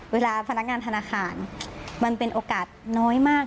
เวลาพนักงานธนาคารมันเป็นโอกาสน้อยมาก